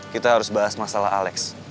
kita harus bahas masalah alex